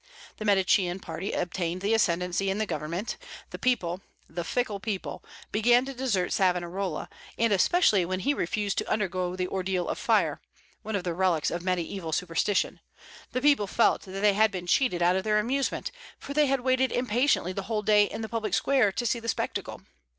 The Medicean party obtained the ascendency in the government. The people the fickle people began to desert Savonarola; and especially when he refused to undergo the ordeal of fire, one of the relics of Mediaeval superstition, the people felt that they had been cheated out of their amusement, for they had waited impatiently the whole day in the public square to see the spectacle.